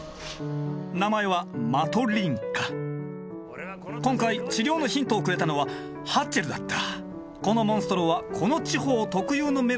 名前は今回治療のヒントをくれたのはハッチェルだった。